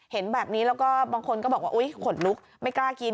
เห็นแบบนี้แล้วก็บางคนก็บอกว่าอุ๊ยขนลุกไม่กล้ากิน